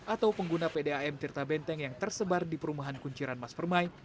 atau pengguna pdam tirta benteng yang tersebar di perumahan kunciran mas permai